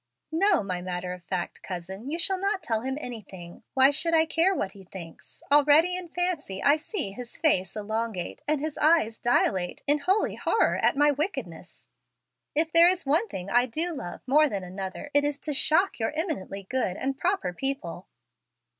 "No, my matter of fact cousin, you shall not tell him anything. Why should I care what he thinks? Already in fancy I see his face elongate, and his eyes dilate, in holy horror at my wickedness. If there is one thing I love to do more than another, it is to shock your eminently good and proper people."